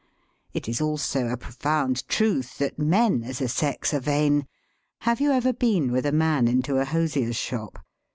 It is also a profound truth that men as a sex are vain. Have you ever been with a man into a hos ier's shop?